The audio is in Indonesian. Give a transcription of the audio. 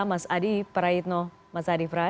mas adi praitno mas adi prai